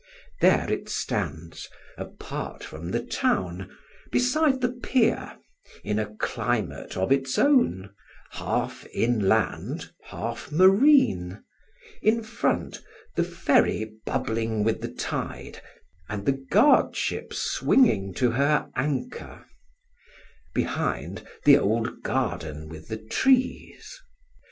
There it stands, apart from the town, beside the pier, in a climate of its own, half inland, half marine in front, the ferry bubbling with the tide and the guard ship swinging to her anchor; behind, the old garden with the trees.